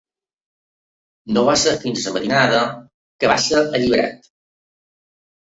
No va ser fins a la matinada que va ser alliberat.